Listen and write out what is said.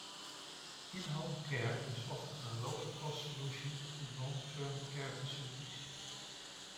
In-Home Care is often a lower cost solution to long-term care facilities.